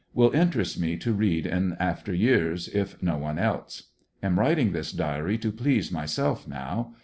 Will interest me to read in after years, if no one else. Am writing this diary to please myself, now.